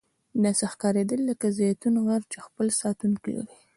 داسې ښکاریدل لکه زیتون غر چې خپل ساتونکي لري.